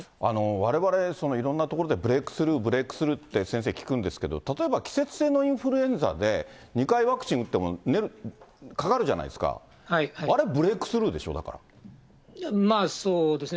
われわれ、いろんな所でブレークスルー、ブレークスルーって、先生、聞くんですけど、例えば季節性のインフルエンザで、２回ワクチン打ってもかかるじゃないですか、あれ、まあ、そうですね。